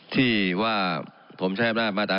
ที่ว่าผมใช้บ้านมาตรา๔๔